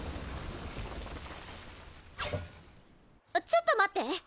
ちょっと待って！